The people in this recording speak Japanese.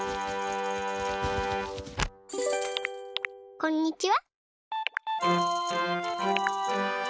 こんにちは。